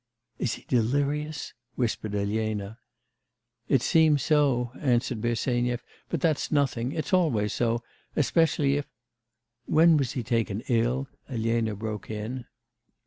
'Is he delirious?' whispered Elena. 'It seems so,' answered Bersenyev, 'but that's nothing; it's always so, especially if ' 'When was he taken ill?' Elena broke in.